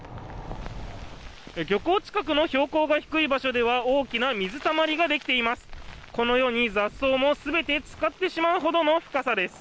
漁港近くの標高が低い場所では大きな水たまりができています。